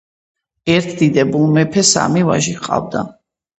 ერთ დიდებული მეფეს სამი ვაჟი ჰყავდა.